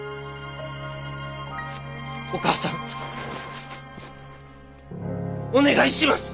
お母さんお願いします！